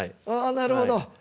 あなるほど。